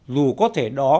dù có thể đó